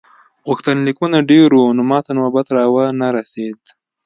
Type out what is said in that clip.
غوښتنلیکونه ډېر وو نو ماته نوبت را ونه رسیده.